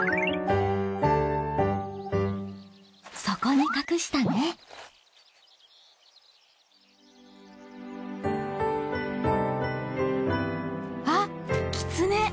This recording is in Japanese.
そこに隠したねあっキツネ！